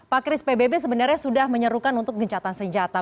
pak kris pbb sebenarnya sudah menyerukan untuk gencatan senjata